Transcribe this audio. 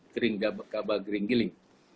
kering gabah gabah kering giling